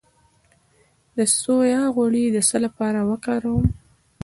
د سویا غوړي د څه لپاره وکاروم؟